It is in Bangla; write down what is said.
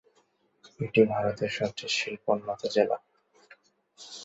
এটি ভারতের সবচেয়ে শিল্পোন্নত জেলা।